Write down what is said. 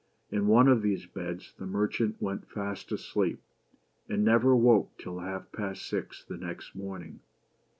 In one of these beds the mer chant went fast asleep, and never woke till half past six the next morning.